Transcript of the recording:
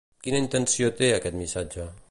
Quina intenció té aquest missatge?